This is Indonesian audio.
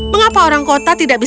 mengapa orang orang tidak tahu